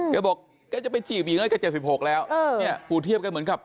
แกบอกแกจะไปจีบหญิงแล้วแก๗๖แล้วเนี่ยปู่เทียบแกเหมือนกับ